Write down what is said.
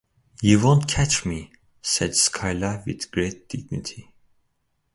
"You won't catch me," said Skyla, with great dignity.